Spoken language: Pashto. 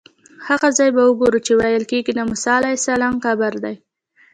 هغه ځای به وګورو چې ویل کېږي د موسی علیه السلام قبر دی.